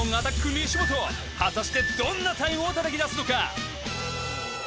西本果たしてどんなタイムをたたきだすのか？